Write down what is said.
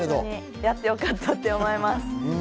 やってよかったと思います。